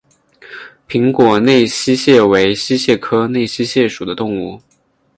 平果内溪蟹为溪蟹科内溪蟹属的动物。